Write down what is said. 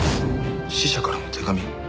死者からの手紙。